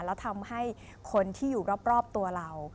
แล้วทำให้คนที่อยู่รอบตัวเรา